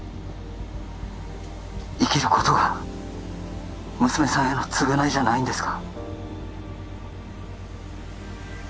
生きることが娘さんへの償いじゃないんですか？